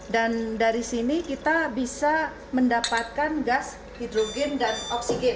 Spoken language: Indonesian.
dan dari sini kita bisa mendapatkan gas hidrogen dan oksigen